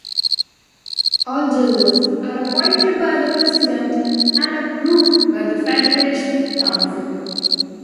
All judges are appointed by the President and approved by the Federation Council.